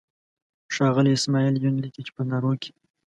ښاغلی اسماعیل یون لیکي چې په نارو کې.